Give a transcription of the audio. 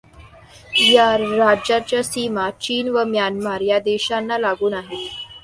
या राज्याच्या सीमा चीन व म्यानमार या देशांना लागून आहेत.